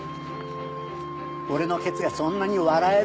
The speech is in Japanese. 俺のケツがそんなに笑えるんか。